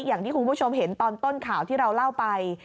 อย่างที่คุณผู้ชมเห็นตอนต้นข่าวที่เราเล่าไป